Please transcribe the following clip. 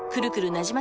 なじま